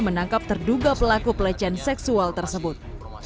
menangkap terduga pelaku pelecehan seksual tersebut